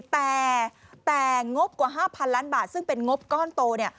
แต่งบกว่า๕๐๐ล้านบาทซึ่งเป็นงบก้อนโตเนี่ย